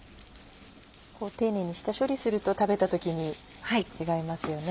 丁寧に下処理すると食べた時に違いますよね。